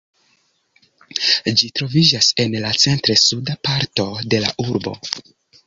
Ĝi troviĝas en la centr-suda parto de la urbo.